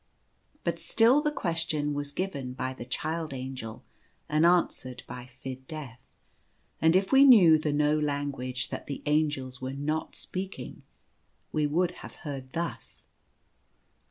But still the question was given by the Child Angel and answered by Fid Def; and if we knew the no language that the Angels were not speaking we would have heard thus.